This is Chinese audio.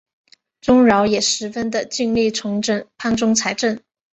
宗尧也十分的尽力重整藩中财政。